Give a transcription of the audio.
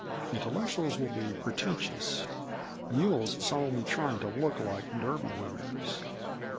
Intellectuals will be pretentious mules solemnly trying to look like Derby winners.